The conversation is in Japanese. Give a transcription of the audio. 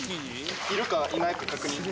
いるかいないか確認。